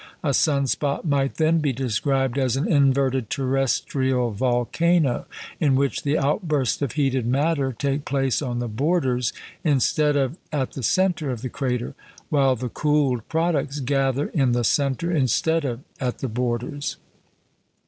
A sun spot might then be described as an inverted terrestrial volcano, in which the outbursts of heated matter take place on the borders instead of at the centre of the crater, while the cooled products gather in the centre instead of at the borders.